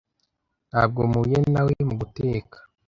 Ntabwo mpuye na we mu guteka.